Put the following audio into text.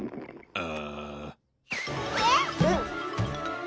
ああ。